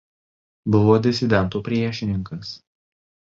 Buvo disidentų priešininkas.